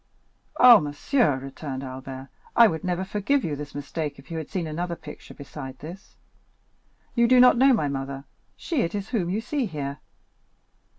"Ah, monsieur," returned Albert, "I would never forgive you this mistake if you had seen another picture beside this. You do not know my mother; she it is whom you see here.